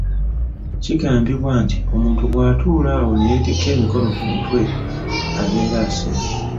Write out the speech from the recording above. Kigambibwa nti omuntu bw'atuula awo n’eyeetikka emikono ku mutwe abeera asera.